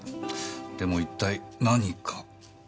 でも一体何か？